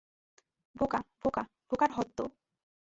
বোকা, বোকা, বোকার হদ্দ।